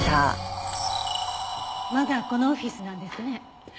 まだこのオフィスなんですね。